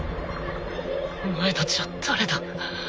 お前たちは誰だ？